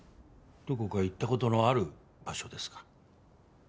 どこか行った事のある場所ですか？